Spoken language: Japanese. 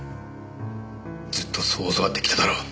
ずっとそう教わってきただろう。